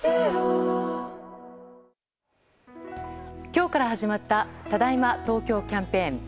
今日から始まったただいま東京キャンペーン。